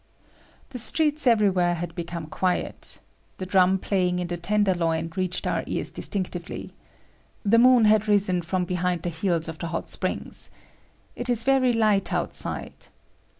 The streets everywhere had become quiet. The drum playing in the tenderloin reached our ears distinctively. The moon had risen from behind the hills of the hot springs. It is very light outside.